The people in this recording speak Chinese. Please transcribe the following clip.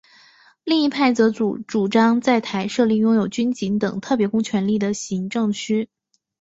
另一派则主张在台设立拥有军警等特别公权力的特别行政区。